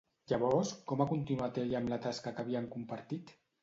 Llavors, com ha continuat ella amb la tasca que havien compartit?